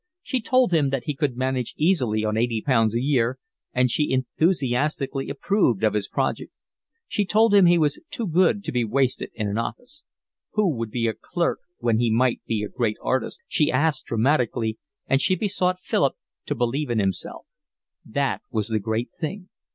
She told him that he could manage easily on eighty pounds a year, and she enthusiastically approved of his project. She told him he was too good to be wasted in an office. Who would be a clerk when he might be a great artist, she asked dramatically, and she besought Philip to believe in himself: that was the great thing.